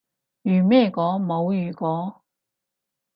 如咩果？冇如果